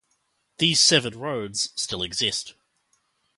These severed roads still exist.